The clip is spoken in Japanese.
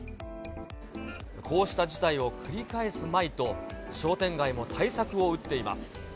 こうした事態を繰り返すまいと、商店街も対策を打っています。